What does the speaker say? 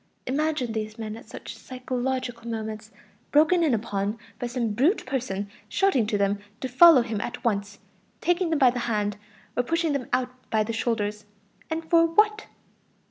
Imagine these men at such psychological moments, broken in upon by some brutal person shouting to them to follow him at once, taking them by the hand, or pushing them out by the shoulders. And for what?